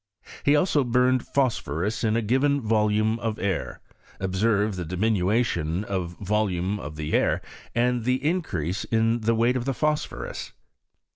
He also burned phosphorus in a given ■volume of air, observed tlie diminution of volume of the air and the increase of the weight of the phosphorus.